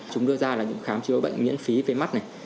chúng đưa ra là những khám chữa bệnh miễn phí về mắt này